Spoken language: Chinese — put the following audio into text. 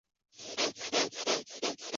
次赛季他开始执教莱切。